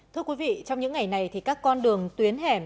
thưa quý vị trong những ngày này thì các con đường tuyến hẻm